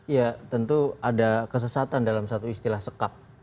ya tentu ada kesesatan dalam satu istilah sekap